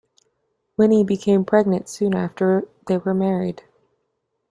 Winnie became pregnant soon after they were married.